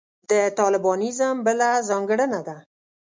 د طالبانیزم بله ځانګړنه ده.